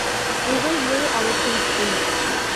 We will move our things in.